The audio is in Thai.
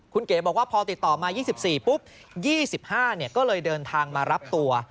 คุณเก๋บอกว่าพอติดต่อมา๒๔ปุ๊บ๒๕ก็เลยเดินทางมารับตัว